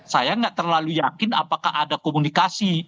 saya nggak terlalu yakin apakah ada komunikasi